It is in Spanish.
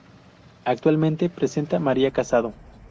Actualmente presenta María Casado.